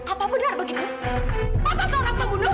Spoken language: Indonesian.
apa benar bapak seorang pembunuh